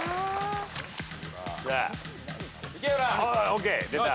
ＯＫ出た。